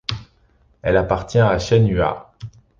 Elle appartient à Shenhua.